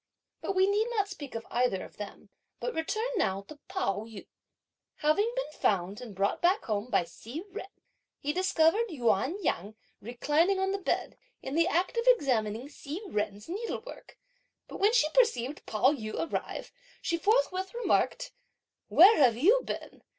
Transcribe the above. But we need not speak of either of them, but return now to Pao yü. Having been found, and brought back home, by Hsi Jen, he discovered Yuan Yang reclining on the bed, in the act of examining Hsi Jen's needlework; but when she perceived Pao yü arrive, she forthwith remarked: "Where have you been?